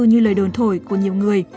như lời đồn thổi của nhiều người